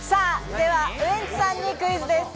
ではウエンツさんにクイズです。